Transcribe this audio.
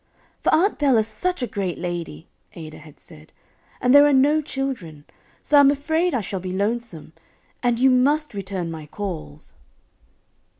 "For Aunt Bell is such a great lady," Ada had said, "and there are no children; so I'm afraid I shall be lonesome; and you must return my calls."